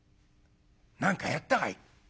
「何かやったかい？」。